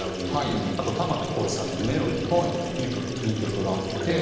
あと玉置浩二さんの『メロディー』っていう２曲があって。